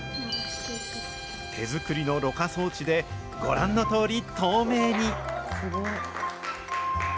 手作りのろ過装置で、ご覧のとおり透明に。